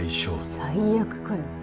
最悪かよ。